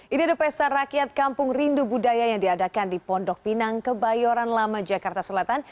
ini ada pesta rakyat kampung rindu budaya yang diadakan di pondok pinang kebayoran lama jakarta selatan